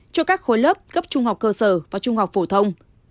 cho các khối lớp cấp trung học cơ sở và trung học phổ thông